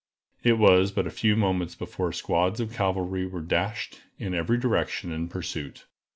It was but a few moments before squads of cavalry were dashing in every direction in pursuit.